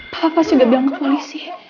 papa pasti udah bilang ke polisi